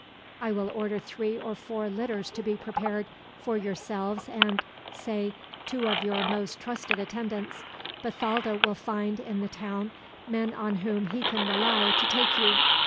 "I will order three or four litters to be prepared; for yourselves and, say, two of your most trusted attendants. Bathalda will find, in the town, men on whom he can rely to take you.